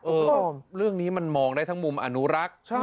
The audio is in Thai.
เรื่องนี้มันมองได้ทั้งมุมอนุรักษ์